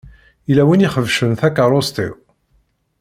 Yella win i ixebcen takeṛṛust-iw.